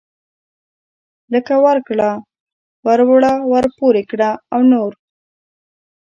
لکه ورکړه وروړه ورپورې کړه او نور.